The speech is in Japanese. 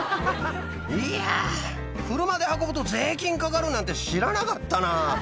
いやー、車で運ぶと税金かかるなんて知らなかったな。